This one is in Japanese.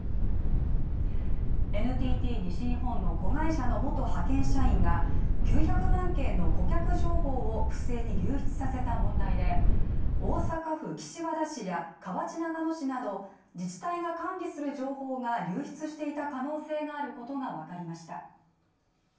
ＮＴＴ西日本の子会社の元派遣社員が９００万件の顧客情報を不正に流出させた問題で大阪府岸和田市や河内長野市など自治体が管理する情報が流出していた可能性があることが分かりました